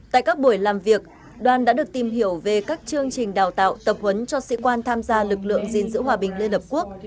tại các buổi làm việc đoàn đã được tìm hiểu về các chương trình đào tạo tập huấn cho sĩ quan tham gia lực lượng gìn giữ hòa bình liên hợp quốc